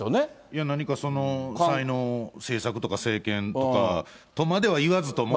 いや、何かその才能を政策とか政権とかとまでは言わずとも。